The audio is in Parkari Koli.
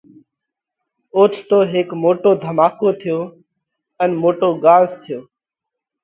اوچتو هيڪ موٽو ڌماڪو ٿيو ان موٽو ڳاز ٿيو۔